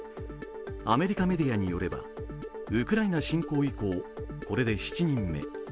アメリカメディアによればウクライナ侵攻以降、これで７人目。